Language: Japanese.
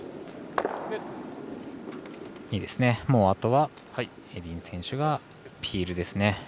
あとは、エディン選手がピールですね。